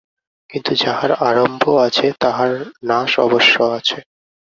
কিন্তু যাহার আরম্ভ আছে, তাহার নাশ অবশ্য আছে।